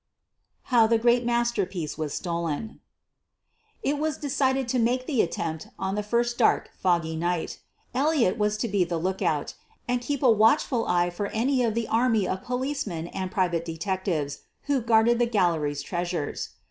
HOW THE GREAT MASTERPIECE WAS STOLEN It was decided to make the attempt on the first dark, foggy night. Elliott was to be the "lookout" and keep a watchful eye for any of the army of policemen and private detectives who guarded the gallery's treasures.